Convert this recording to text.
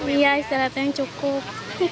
iya istirahatnya cukup